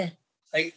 はい。